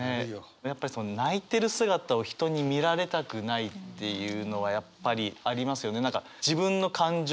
やっぱりその泣いてる姿を人に見られたくないっていうのはやっぱりありますよね。